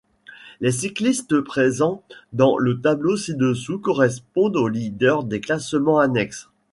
Les cyclistes présents dans le tableau ci-dessous correspondent aux leaders des classements annexes.